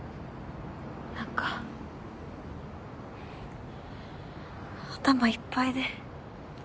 なんか頭いっぱいで。